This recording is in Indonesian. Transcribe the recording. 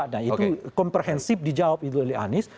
nah itu komprehensif dijawab itu oleh anies